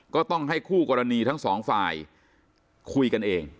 ก็ต้องให้คู่กรณีทั้งสองฝ่ายคุยกันเอง